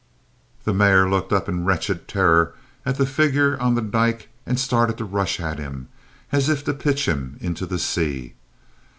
The Mayor looked up in wretched terror at the figure on the dyke and started to rush at him as if to pitch him into the sea.